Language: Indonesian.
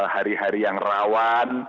hari hari yang rawan